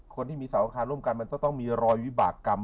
คนที่มีเสาอังคารร่วมกันมันก็ต้องมีรอยวิบากรรม